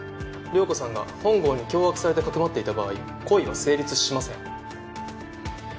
遼子さんが本郷に脅迫されてかくまっていた場合故意は成立しません。